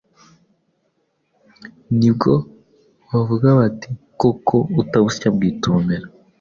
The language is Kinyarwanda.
ni bwo bavuga bati : “Koko utabusya abwita ubumera”!